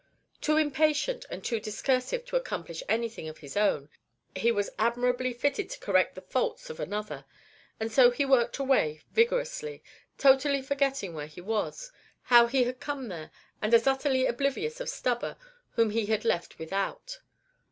Too impatient and too discursive to accomplish anything of his own, he was admirably fitted to correct the faults of another, and so he worked away vigorously, totally forgetting where he was, how he had come there, and as utterly oblivious of Stubber, whom he had left without.